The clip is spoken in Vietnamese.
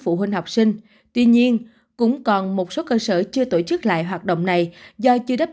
phụ huynh học sinh tuy nhiên cũng còn một số cơ sở chưa tổ chức lại hoạt động này do chưa đáp